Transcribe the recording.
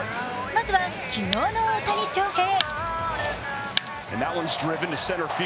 まずは昨日の大谷翔平。